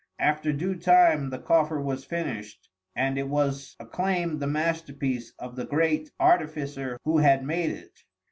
After due time the coffer was finished, and it was acclaimed the masterpiece of the great artificer who had made it.